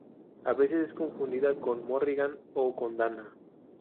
A veces es confundida con Morrigan o con Dana.